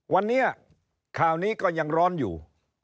วันนี้ข่าวนี้ก็ยังร้อนอยู่